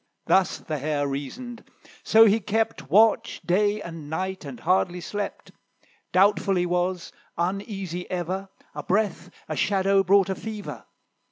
Thus the Hare reasoned; so he kept Watch day and night, and hardly slept; Doubtful he was, uneasy ever; A breath, a shadow, brought a fever.